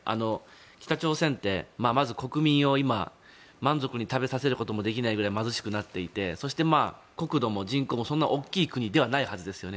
北朝鮮って、国民を満足に食べさせることができないくらい貧しくなっていてそして、国土も人口もそんなに大きな国ではないはずですよね。